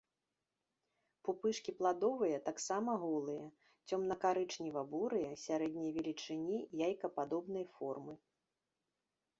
Пупышкі пладовыя таксама голыя, цёмнакарычнева-бурыя, сярэдняй велічыні, яйкападобнай формы.